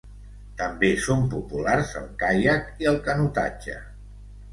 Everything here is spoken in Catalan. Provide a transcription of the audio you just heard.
També són populars el caiac i el canotatge.